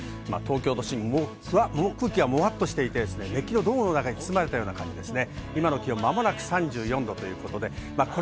東京都心、もう空気がもわっとしていてですね、熱気の道の中に包まれたような感じですね。